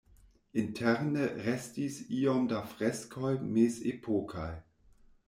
Interne restis iom da freskoj mezepokaj.